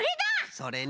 それね。